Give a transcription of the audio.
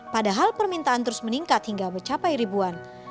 padahal permintaan terus meningkat hingga mencapai ribuan